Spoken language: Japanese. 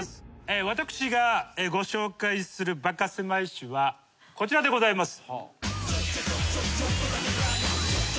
私がご紹介するバカせまい史はこちらでございます。